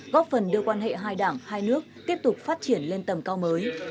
góp phần đưa quan hệ hai đảng hai nước tiếp tục phát triển lên tầm cao mới